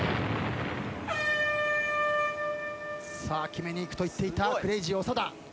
決めにいくと言っていたクレイジー長田。